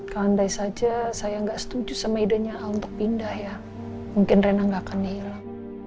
kalau andai saja saya gak setuju sama idenya al untuk pindah ya mungkin rena gak akan hilang